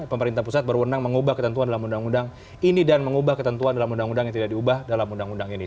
pemerintah pusat berwenang mengubah ketentuan dalam undang undang ini dan mengubah ketentuan dalam undang undang yang tidak diubah dalam undang undang ini